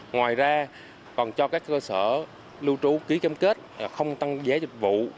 ngoài ra còn cho các cơ sở lưu trú ký cam kết không tăng giá dịch vụ